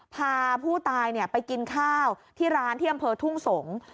พาผู้ตายไปกินข้าวที่ร้านที่อำเภอทุ่งสงศ์